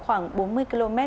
khoảng bốn mươi km